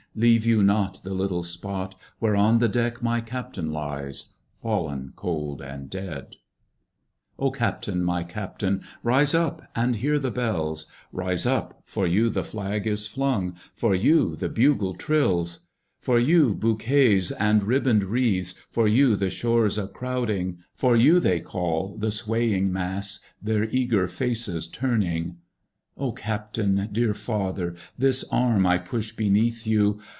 Leave you not the little spot Where on the deck my Captain lies, Fallen cold and dead. 2. O Captain! my Captain! rise up and hear the bells! Rise up! for you the flag is flung, for you the bugle trills: For you bouquets and ribboned wreaths; for you the shores a crowding: For you they call, the swaying mass, their eager faces turning. O Captain! dear father! This arm I push beneath you.